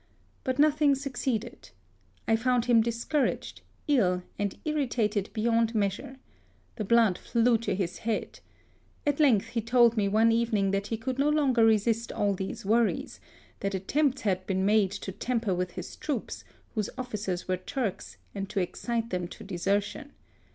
But no thing succeeded. I found him discouraged, ill, and irritated beyond measure. The blood flew to his head. At length he told me one evening that he could no longer resist all these worries ; that attempts had been made to tamper with his troops, whose officers were Turks, and to excite them to desertion.